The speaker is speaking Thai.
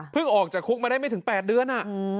ออกจากคุกมาได้ไม่ถึง๘เดือน